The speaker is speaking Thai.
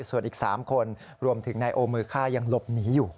ส่วนอีก๓คนรวมถึงนายโอมือฆ่ายังหลบหนีอยู่